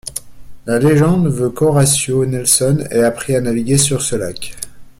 La légende veut qu'Horatio Nelson ait appris à naviguer sur ce lac.